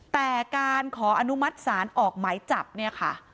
แต่การขออนุมัติศาลออกหมายจับเนี่ยค่ะ